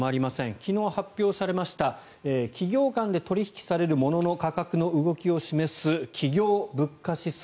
昨日、発表されました企業間で取引されるものの価格の動きを示す企業物価指数